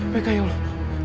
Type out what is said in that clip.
meka ya allah